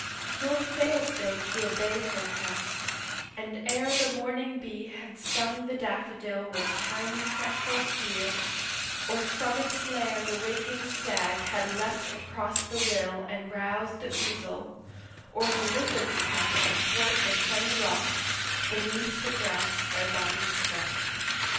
Nor failed they to obey her hest, and ere The morning bee had stung the daffodil With tiny fretful spear, or from its lair The waking stag had leapt across the rill And roused the ouzel, or the lizard crept Athwart the sunny rock, beneath the grass their bodies slept.